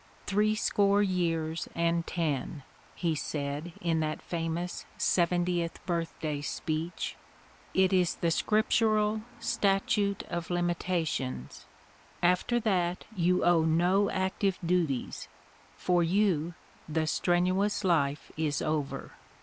'' Three score years and ten !" he said in that famous seventieth birthday speech. "It is the scriptural statute of limitations. After that you owe no active duties; for you the strenuous life is over.